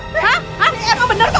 kamu bener tuh